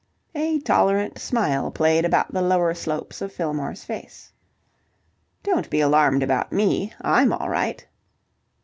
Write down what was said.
A tolerant smile played about the lower slopes of Fillmore's face. "Don't be alarmed about me. I'm all right."